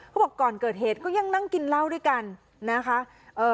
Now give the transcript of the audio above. บอกก่อนเกิดเหตุก็ยังนั่งกินเหล้าด้วยกันนะคะเอ่อ